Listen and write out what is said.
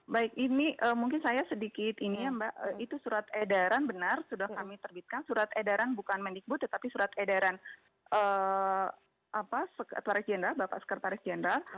baik ini mungkin saya sedikit ini mbak itu surat edaran benar sudah kami terbitkan surat edaran bukan mendingbud tetapi surat edaran bapak sekretaris jendral